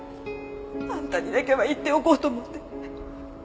あんたにだけは言っておこうと思って。